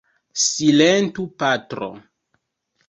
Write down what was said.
Silentu, patro!